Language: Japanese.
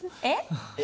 えっ！？